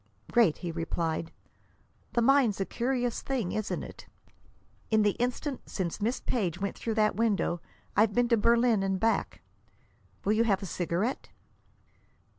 "Great," he replied. "The mind's a curious thing, isn't it. In the instant since Miss Page went through that window I've been to Berlin and back! Will you have a cigarette?"